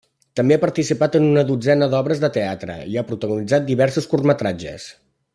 També ha participat en una dotzena d'obres de teatre i ha protagonitzat diversos curtmetratges.